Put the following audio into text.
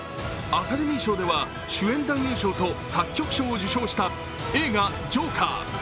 アカデミー賞では主演男優賞と作曲賞を受賞した映画「ジョーカー」。